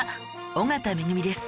緒方恵美です。